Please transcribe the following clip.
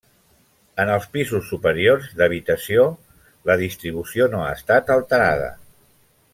En els pisos superiors, d'habitació, la distribució no ha estat alterada.